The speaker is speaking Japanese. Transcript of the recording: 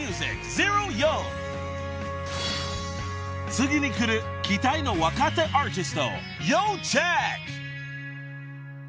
［次にくる期待の若手アーティスト要チェック］